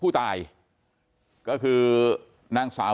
กลุ่มตัวเชียงใหม่